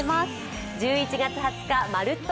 １１月２０日「まるっと！